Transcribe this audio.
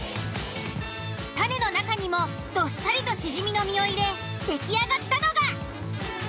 タネの中にもどっさりとシジミの身を入れ出来上がったのが。